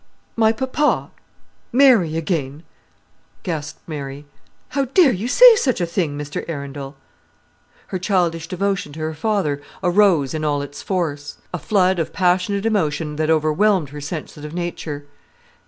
"My papa marry again!" gasped Mary. "How dare you say such a thing, Mr. Arundel?" Her childish devotion to her father arose in all its force; a flood of passionate emotion that overwhelmed her sensitive nature.